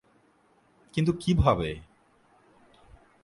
কিন্তু কিভাবে?